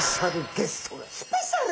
スペシャル？